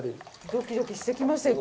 ドキドキしてきましたよ。